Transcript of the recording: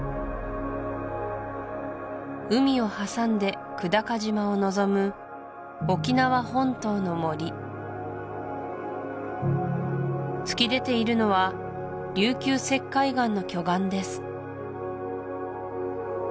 海を挟んで久高島をのぞむ沖縄本島の森突き出ているのは琉球石灰岩の巨岩です